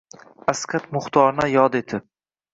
Asqad Muxtorni yod etib